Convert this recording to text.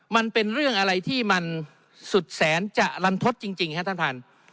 มันเป็นเรื่องอะไรที่มันสุดแสนจะลันทศจริงครับท่านท่าน